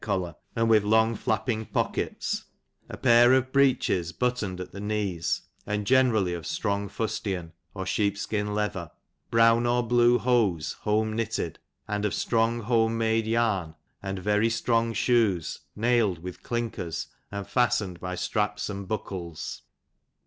collar, and with long flapping pockets; a pair of breeches, buttoned at the knees, and generally of strong fustian, or sheep skin leather ; brown or blue hose, home knitted, and of strong home made yam, and very strong shoes, nailed with clinkers, and fastened by straps and buckles.